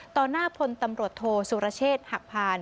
หน้าพลตำรวจโทสุรเชษฐ์หักพาน